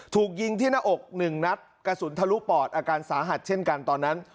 ถูกยิงที่หน้าอกหนึ่งนัดกระสุนทะลุปอดอาการสาหัสเช่นกันตอนนั้น